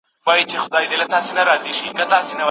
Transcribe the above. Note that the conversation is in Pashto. ړوند هلک له ډاره په اوږه باندي مڼه ساتله.